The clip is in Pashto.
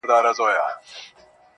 تا بدرنگۍ ته سرټيټی په لېونتوب وکړ.